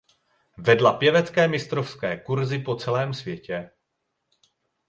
Vedla pěvecké mistrovské kurzy po celém světě.